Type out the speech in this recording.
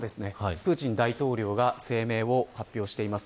プーチン大統領が声明を発表しています。